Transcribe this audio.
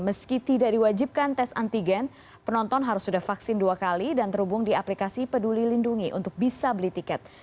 meski tidak diwajibkan tes antigen penonton harus sudah vaksin dua kali dan terhubung di aplikasi peduli lindungi untuk bisa beli tiket